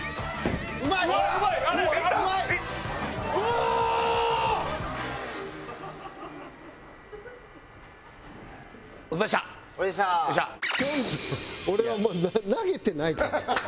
んと俺はまだ投げてないから。